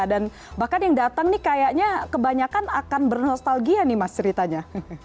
dan bahkan yang datang nih kayaknya kebanyakan akan bernostalgia nih mas ceritanya